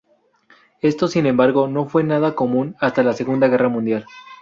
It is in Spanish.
Esto sin embargo no fue nada común hasta la Segunda Guerra Mundial.